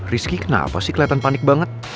risky kenapa sih keliatan panik banget